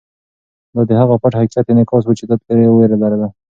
دا د هغه پټ حقیقت انعکاس و چې ده ترې وېره لرله.